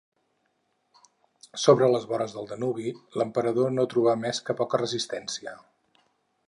Sobre les vores del Danubi, l'emperador no troba més que poca resistència.